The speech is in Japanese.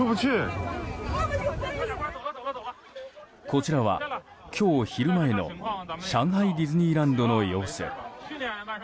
こちらは今日昼前の上海ディズニーランドの様子。